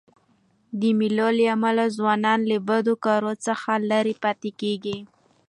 د مېلو له امله ځوانان له بدو کارو څخه ليري پاته کېږي.